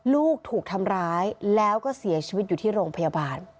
ลูกถูกทำร้ายแล้วก็เสียชีวิตอยู่ที่โรงพยาบาล